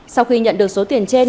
sau khi nhận được số tiền trên